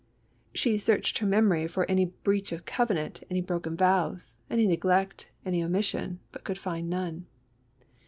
She searched her memory for any breach of covenant, any broken vows, any neglect, any omission, but could find none.